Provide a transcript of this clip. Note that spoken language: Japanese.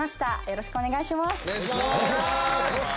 よろしくお願いします！